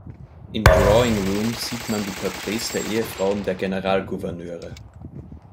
Im "Drawing Room" sieht man die Porträts der Ehefrauen der Generalgouverneure.